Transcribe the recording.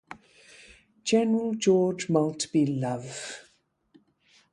General George Maltby Love.